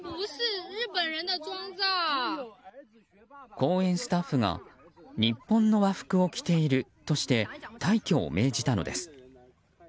公園スタッフが日本の和服を着ているとして退去を命じたのです。